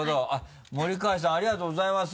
森開さんありがとうございます。